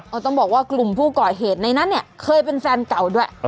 ต้องบอกว่ากลุ่มผู้ก่อเหตุในนั้นเนี่ยเคยเป็นแฟนเก่าด้วย